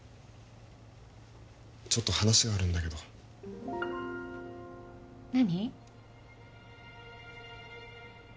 ちょっと話があるんだけど何？